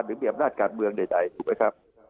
หรือมีอำนาจการเมืองใดถูกไหมครับ